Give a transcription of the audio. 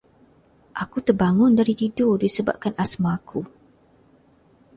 Aku terbangun dari tidur disebabkan asma aku.